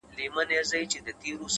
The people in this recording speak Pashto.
د يوسفي ښکلا له هر نظره نور را اورې’